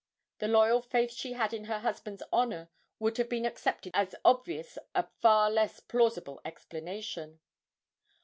The loyal faith she had in her husband's honour would have accepted as obvious a far less plausible explanation.